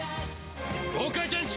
ゴーカイチェンジ！